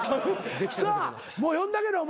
さあもう呼んであげろ。